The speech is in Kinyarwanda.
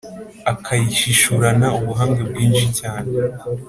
akayishishurana ubuhanga bwinshi cyane